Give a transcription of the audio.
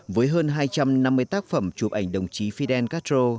với hơn hai trăm năm mươi tác phẩm chụp ảnh đồng chí fidel castro